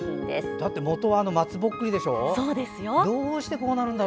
だって、もとは松ぼっくりでしょう？